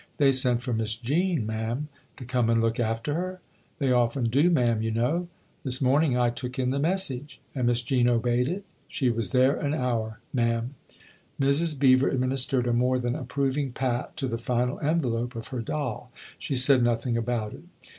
"They sent for Miss Jean, ma'am." " To come and look after her ?" "They often do, ma'am, you know. This morn ing I took in the message." " And Miss Jean obeyed it ?"" She was there an hour, ma'am.'* Mrs. Beever administered a more than approving pat to the final envelope of her doll. "She said nothing about it."